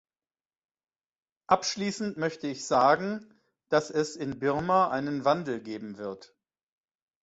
Abschließend möchte ich sagen, dass es in Birma einen Wandel geben wird.